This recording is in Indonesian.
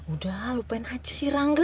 udah lupain aja sih rangga